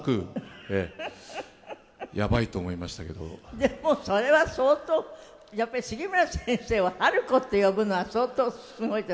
でもそれは相当やっぱり杉村先生を「春子」って呼ぶのは相当すごいと思う。